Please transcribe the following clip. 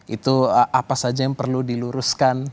itu apa saja yang perlu diluruskan